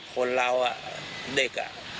คนเราเด็ก